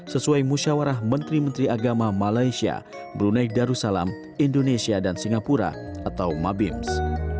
sesuai musyawarah menteri menteri agama malaysia brunei darussalam indonesia dan singapura atau mabims